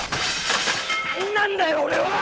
何なんだよ俺は！